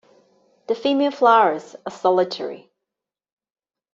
The female flowers are solitary.